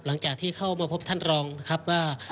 หลังจากที่เข้ามาพบท่านรองนะครับว่า